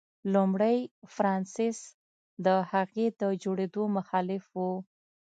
لومړي فرانسیس د هغې د جوړېدو مخالف و.